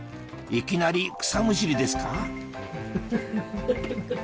いきなり草むしりですか？